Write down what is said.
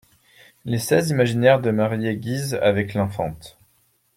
Les Seize imaginèrent de marier Guise avec l'infante.